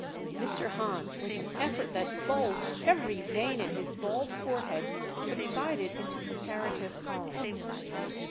Mr. Hahn, with an effort that bulged every vein in his bald forehead, subsided into comparative calm.